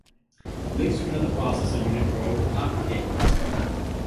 Links to another processor unit are over copper cables.